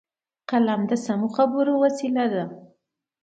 قلم د سمو خبرو وسیله ده